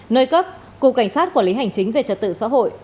nơi cấp cục cảnh sát quản lý hành chính về trật tự xã hội